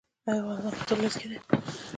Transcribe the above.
آیا افغانستان په تور لیست کې دی؟